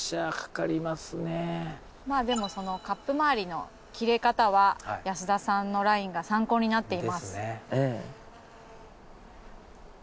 まあでもカップ周りの切れ方は安田さんのラインが参考になっています。